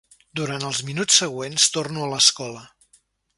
Durant els minuts següents torno a l'escola.